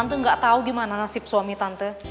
tante nggak tahu gimana nasib suami tante